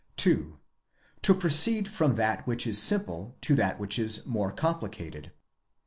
2. To proceed from that which is simple to that which is more complicated.